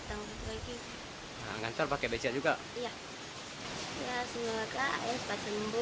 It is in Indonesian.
nah semoga kak ayah sempat sembuh bisa pulang kembali sini dan berkumpul lagi dengan keluarga